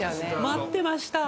待ってました！